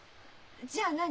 じゃあ何？